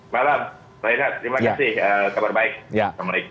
malam renat terima kasih kabar baik